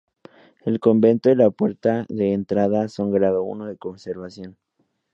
El convento y la puerta de entrada son grado I de conservación.